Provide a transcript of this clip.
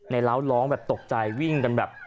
ในร้าวร้องตกใจวิ่งกันแบบ